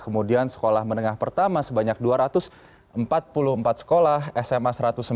kemudian sekolah menengah pertama sebanyak dua ratus empat puluh empat sekolah sma satu ratus sembilan puluh